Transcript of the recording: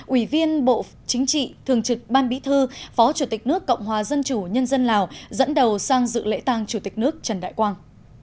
ủy viên bộ chính trị thường trực ban bí thư phó chủ tịch nước cộng hòa dân chủ nhân dân lào dẫn đầu sang dự lễ tàng chủ tịch nước trần đại quang